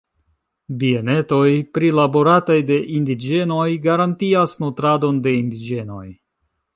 Bienetoj prilaborataj de indiĝenoj garantias nutradon de indiĝenoj.